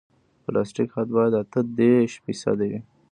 د پلاستیک حد باید اته دېرش فیصده وي